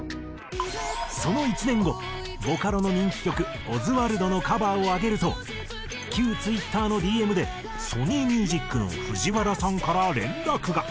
その１年後ボカロの人気曲『ヲズワルド』のカバーを上げると旧ＴｗｉｔｔｅｒのＤＭでソニーミュージックの藤原さんから連絡が。